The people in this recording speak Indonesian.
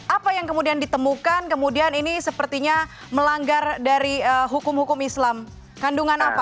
apa yang kemudian ditemukan kemudian ini sepertinya melanggar dari hukum hukum islam kandungan apa